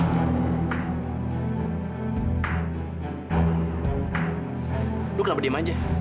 kau kenapa diam aja